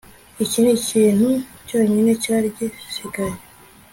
Iki nicyo kintu cyonyine cyari gisigaye